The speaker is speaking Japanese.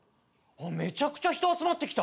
めちゃくちゃ人集まってきた。